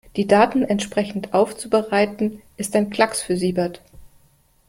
Die Daten entsprechend aufzubereiten, ist ein Klacks für Siebert.